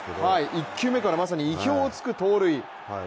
１球目からまさに意表を突く盗塁。